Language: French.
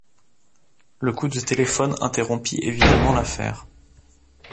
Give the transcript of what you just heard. Le coup de téléphone interrompit évidemment l'affaire.